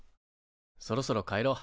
そろそろ帰ろう。